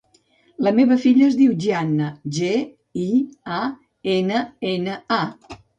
La meva filla es diu Gianna: ge, i, a, ena, ena, a.